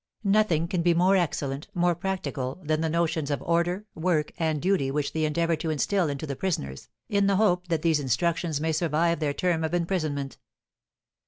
Nothing can be more excellent, more practical, than the notions of order, work, and duty which they endeavour to instil into the prisoners, in the hope that these instructions may survive their term of imprisonment.